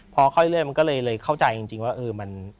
พอเข้าที่เรื่อยมันก็เลยเลยเข้าใจจริงว่าเออมัน